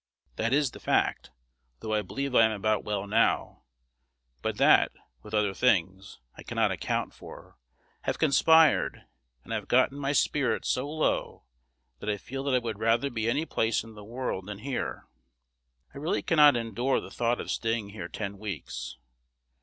That is the fact, though I believe I am about well now; but that, with other things I cannot account for, have conspired, and have gotten my spirits so low that I feel that I would rather be any place in the world than here. I really cannot endure the thought of staying here ten weeks.